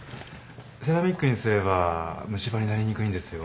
セラミックにすれば虫歯になりにくいんですよ。